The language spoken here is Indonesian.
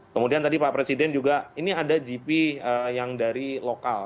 kemudian tadi pak presiden juga ini ada gp yang dari lokal